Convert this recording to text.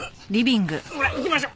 ほら行きましょう。